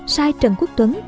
sai trần quốc tuấn